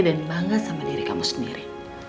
dan bangga sama diri kamu sendiri